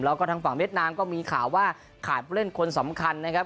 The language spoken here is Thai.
แล้วก็ทางฝั่งเวียดนามก็มีข่าวว่าขาดผู้เล่นคนสำคัญนะครับ